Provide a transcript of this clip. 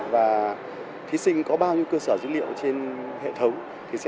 và thí sinh có bao nhiêu cơ sở dữ liệu trên hệ thống